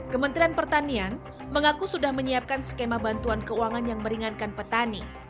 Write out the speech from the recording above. kementerian pertanian mengaku sudah menyiapkan skema bantuan keuangan yang meringankan petani